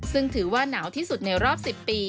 ซึ่งถือว่าหนาวที่สุดในรอบ๑๐ปี